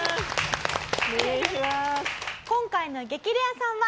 今回の激レアさんは。